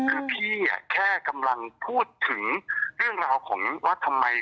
คือพี่แค่กำลังพูดถึงเรื่องราวของว่าทำไม